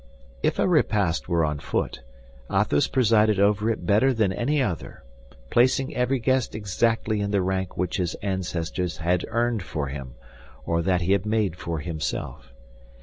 If a repast were on foot, Athos presided over it better than any other, placing every guest exactly in the rank which his ancestors had earned for him or that he had made for himself.